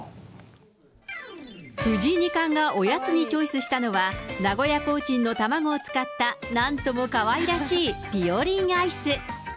藤井二冠がおやつにチョイスしたのは、名古屋コーチンの卵を使った、なんともかわいらしい、ぴよりんアイス。